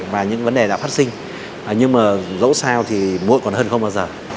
và những vấn đề đã phát sinh nhưng mà dẫu sao thì muộn còn hơn không bao giờ